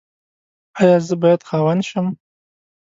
ایا زه باید خاوند شم؟